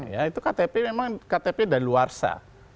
ya itu ktp memang ktp dari luar sas